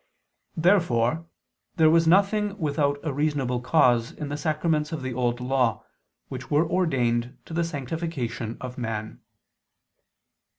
Therefore there was nothing without a reasonable cause in the sacraments of the Old Law, which were ordained to the sanctification of man.